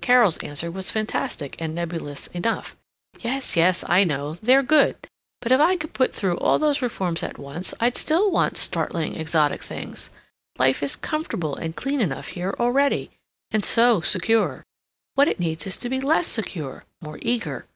Carol's answer was fantastic and nebulous enough: "Yes. ... Yes. ... I know. They're good. But if I could put through all those reforms at once, I'd still want startling, exotic things. Life is comfortable and clean enough here already. And so secure. What it needs is to be less secure, more eager.